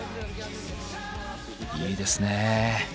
いいですね。